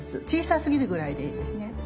小さすぎるぐらいでいいですね。